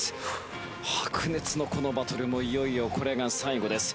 白熱のこのバトルもいよいよこれが最後です。